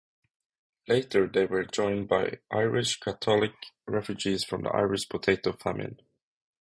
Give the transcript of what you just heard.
Later they were joined by Irish Catholic refugees from the Irish Potato Famine.